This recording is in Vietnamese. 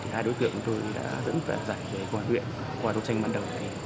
hai đối tượng của tôi đã dẫn dạy về công an huyện qua đấu tranh bắt đầu